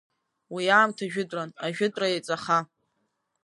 Уи аамҭа жәытәран, ажәытәра еиҵаха.